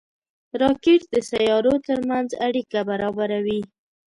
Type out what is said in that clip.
راکټ د سیارو ترمنځ اړیکه برابروي